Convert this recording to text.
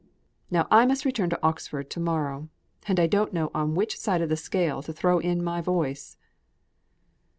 Now I must return to Oxford to morrow, and I don't know on which side of the scale to throw in my voice."